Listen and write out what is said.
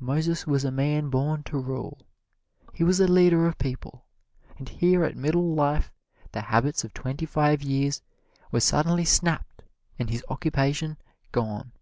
Moses was a man born to rule he was a leader of men and here at middle life the habits of twenty five years were suddenly snapped and his occupation gone.